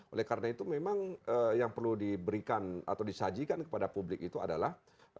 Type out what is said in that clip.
oleh karena itu memang yang perlu diberikan atau disajikan kepada publik itu adalah